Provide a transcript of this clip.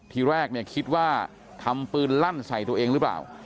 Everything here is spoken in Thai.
ทีแรกแอคคิดว่าทำปืนรั่นใส่ตัวเองรึเปล่า